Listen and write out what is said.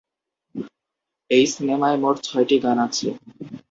এই সিনেমায় মোট ছয়টি গান আছে।